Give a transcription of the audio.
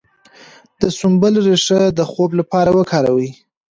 د سنبل ریښه د خوب لپاره وکاروئ